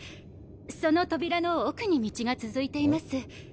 その扉の奥に道が続いています。